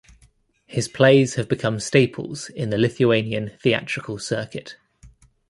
His plays have become staples in the Lithuanian theatrical circuit.